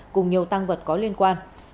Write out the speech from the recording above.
cùng nhiều tăng vật có liên quan